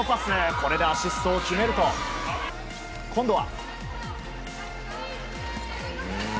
これでアシストを決めると今度は。